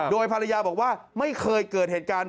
โดยภรรยาบอกว่าไม่เคยเกิดเหตุการณ์